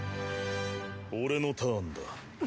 俺のターンだ。